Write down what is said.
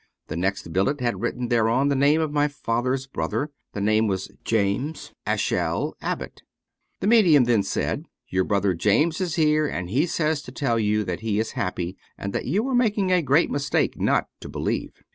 The next billet had writ ten thereon the name of my father's brother ; the name was James Asahel Abbott." The medium then said: "Your brother James is here, and he says to tell you that he is happy and that you are making a great mistake not to believe."